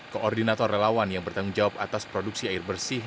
koordinator relawan yang bertanggung jawab atas produksi air bersih